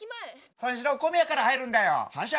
三四郎は小宮から入るんだよ。